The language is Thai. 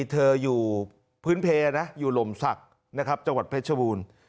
เธออยู่พื้นเพลนะอยู่ลมศักดิ์นะครับจังหวัดเพชรบูรณ์